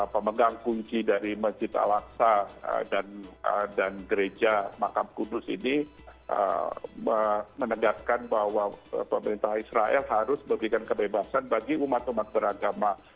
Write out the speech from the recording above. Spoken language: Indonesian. pemegang kunci dari masjid al aqsa dan gereja makam kudus ini menegaskan bahwa pemerintah israel harus memberikan kebebasan bagi umat umat beragama